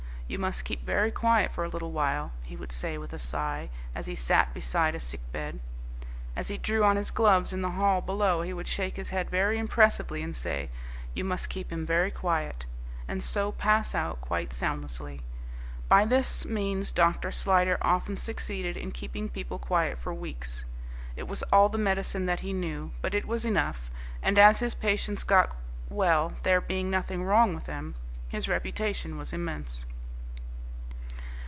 "You must keep very quiet for a little while," he would say with a sigh, as he sat beside a sick bed. As he drew on his gloves in the hall below he would shake his head very impressively and say, "You must keep him very quiet," and so pass out, quite soundlessly. By this means Dr. Slyder often succeeded in keeping people quiet for weeks. It was all the medicine that he knew. But it was enough. And as his patients always got well there being nothing wrong with them his reputation was immense.